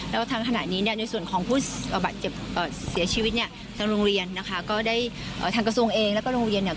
แล้วทั้งขณะนี้ในส่วนของผู้เสียชีวิตทั้งโรงเรียนทางกระทรวงเองแล้วก็โรงเรียน